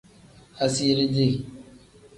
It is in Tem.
Asiiri dii.